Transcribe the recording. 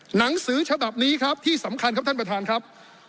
หนังสือฉบับนี้ครับที่สำคัญครับท่านประธานครับ